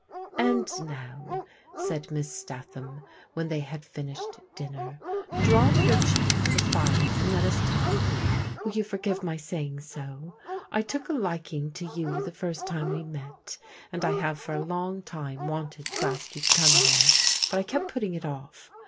"And now," said Miss Statham, when they had iGnished dinner, " draw up your chair to the fire and let us talk. Will you forgive my saying so ? I took a liking to you the first time we met, and I have for a long time wanted to ask you to come here, but I kept putting it off.